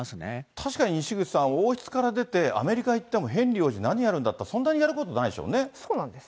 確かににしぐちさん、王室から出て、アメリカ行ってもヘンリー王子、何やるんだっていったら、そうなんです。